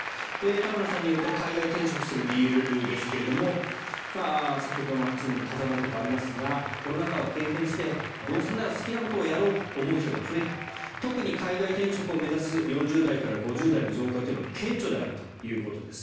田村さんによると海外転職する理由ですが先ほどのお話にも重なるところがありますがコロナ禍を経験してどうせなら好きなことをやろうと思う人が増えた特に海外転職を目指す４０代から５０代の増加は顕著であるということです。